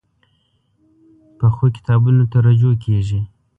پخو کتابونو ته رجوع کېږي